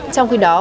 trong khi đó